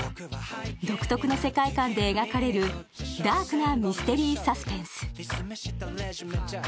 独特の世界観で描かれるダークなミステリーサスペンス。